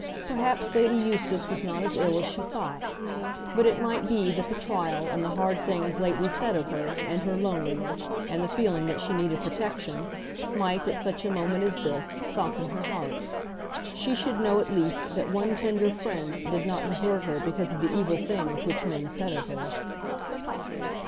Perhaps Lady Eustace was not as ill as she thought; but it might be that the trial, and the hard things lately said of her, and her loneliness, and the feeling that she needed protection, might, at such a moment as this, soften her heart. She should know at least that one tender friend did not desert her because of the evil things which men said of her.